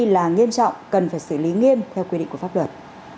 là nghiêm trọng cần phải xử lý nghiêm theo quy định của pháp luật